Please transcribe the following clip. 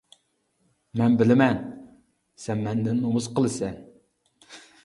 مەن بىلىمەن، سەن مەندىن نومۇس قىلىسەن.